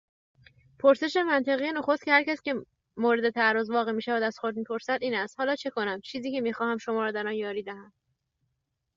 پرسش منطقی نخست که هرکس که مورد تعرض واقع میشود از خود میپرسد این است "حالا چه کنم؟" چیزی که میخواهم شما را در آن یاری دهم